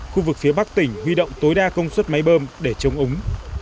khu vực phía bắc tỉnh huy động tối đa công suất máy bơm để chống úng